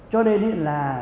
cho nên là